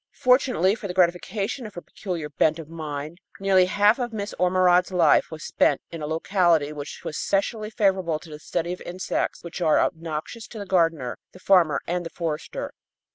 Fortunately for the gratification of her peculiar bent of mind, nearly half of Miss Ormerod's life was spent in a locality which was specially favorable to the study of insects which are obnoxious to the gardener, the farmer and the forester.